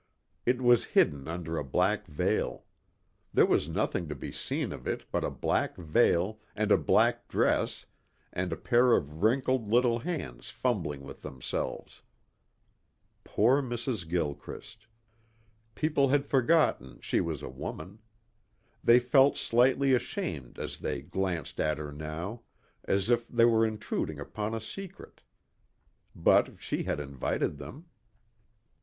It was hidden under a black veil. There was nothing to be seen of it but a black veil and a black dress and a pair of wrinkled little hands fumbling with themselves. Poor Mrs. Gilchrist. People had forgotten she was a woman. They felt slightly ashamed as they glanced at her now, as if they were intruding upon a secret. But she had invited them.